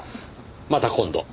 また今度。